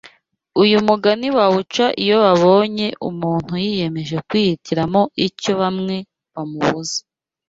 Uyu mugani bawuca iyo babonye umuntu yiyemeje kwihitiramo icyo bamwe bamubuza